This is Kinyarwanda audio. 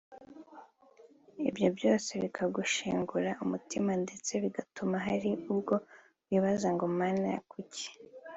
ibyo byose bikagushengura umutima ndetse bigatuma hari ubwo wibaza ngo “Mana ni kuki